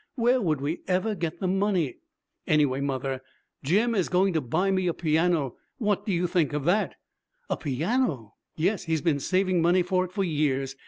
Where would we ever get the money? Anyway, mother, Jim is going to buy me a piano. What do you think of that?' 'A piano?' 'Yes. He has been saving money for it for years.